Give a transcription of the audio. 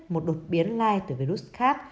một đột biến lai từ virus khác